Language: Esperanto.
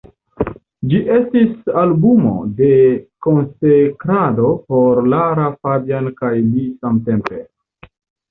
Ĝi estis albumo de konsekrado por Lara Fabian kaj li samtempe.